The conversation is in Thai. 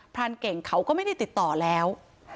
รานเก่งเขาก็ไม่ได้ติดต่อแล้ว